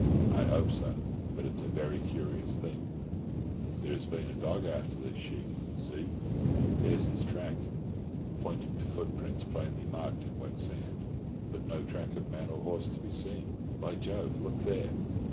"I hope so. But it's a very curious thing; there has been a dog after these sheep—see, there's his track," pointing to foot prints plainly marked in wet sand—"but no track of man or horse to be seen. By Jove, look there!"